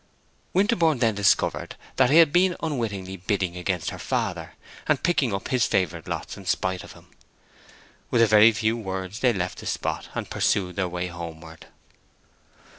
Winterborne then discovered that he had been unwittingly bidding against her father, and picking up his favorite lots in spite of him. With a very few words they left the spot and pursued their way homeward.